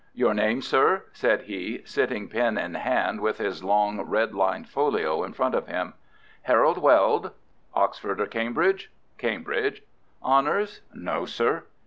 "Your name, sir?" said he, sitting pen in hand with his long, red lined folio in front of him. "Harold Weld." "Oxford or Cambridge?" "Cambridge." "Honours?" "No, sir."